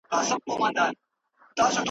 د انقلابيانو اولاده يوازې عاطفي اړيکې پالي.